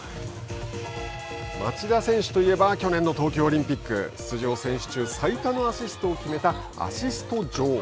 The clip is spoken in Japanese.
町田選手といえば去年の東京オリンピック出場選手中最多のアシストを決めたアシスト女王。